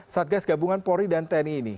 satgas gabungan pori dan tni ini